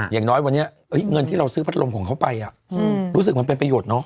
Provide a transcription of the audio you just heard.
อย่างน้อยวันนี้เงินที่เราซื้อพัดลมของเขาไปรู้สึกมันเป็นประโยชน์เนาะ